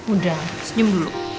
udah senyum dulu